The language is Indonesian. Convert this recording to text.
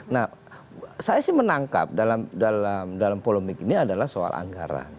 nah saya sih menangkap dalam polemik ini adalah soal anggaran